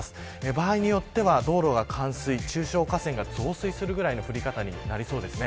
場合によっては道路が冠水中小河川が増水するくらいの降り方になりそうです。